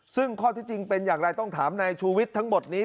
ซึ่งข้อที่จริงเป็นอย่างไรต้องถามนายชูวิทย์ทั้งหมดนี้